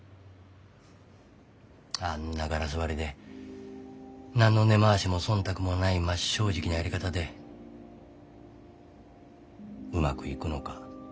あんなガラス張りで何の根回しも忖度もない真っ正直なやり方でうまくいくのか。